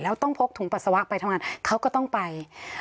แล้วต้องพกถุงปัสสาวะไปทำงานเขาก็ต้องไป